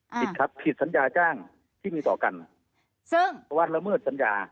อ่าผิดครับผิดสัญญาจ้างที่มีต่อกันซึ่งวันละเมื่อสัญญา